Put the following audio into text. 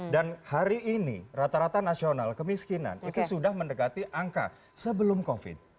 dan hari ini rata rata nasional kemiskinan itu sudah mendekati angka sebelum covid